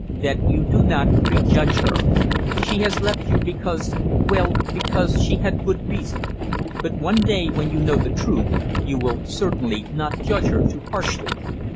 "That you do not prejudge her. She has left you because well, because she had good reason. But one day, when you know the truth, you will certainly not judge her too harshly."